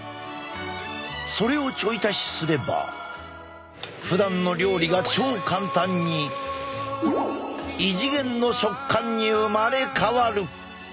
それをちょい足しすればふだんの料理が超簡単に異次元の食感に生まれ変わる！